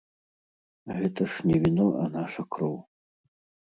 Гэта ж не віно, а наша кроў.